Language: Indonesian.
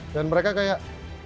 dan mereka kayak